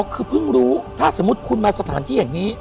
คือเพิ่งรู้ถ้าสมมุติคุณมาสถานที่แห่งนี้